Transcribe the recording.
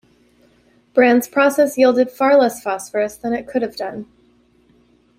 Brand's process yielded far less phosphorus than it could have done.